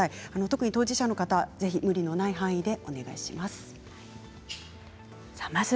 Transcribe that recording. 特に当事者の方ぜひ無理のない範囲でお願いします。